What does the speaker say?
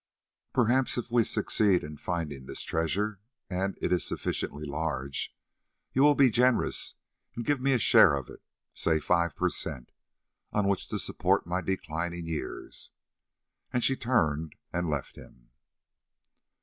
Perhaps if we succeed in finding this treasure, and it is sufficiently large, you will be generous and give me a share of it, say five per cent., on which to support my declining years," and she turned and left him.